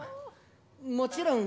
もちろん。